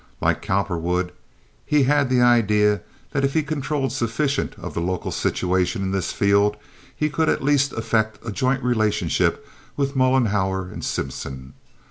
Like Cowperwood, he had the idea that if he controlled sufficient of the local situation in this field, he could at last effect a joint relationship with Mollenhauer and Simpson.